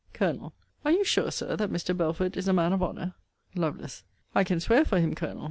Col. Are you sure, Sir, that Mr. Belford is a man of honour? Lovel. I can swear for him, Colonel.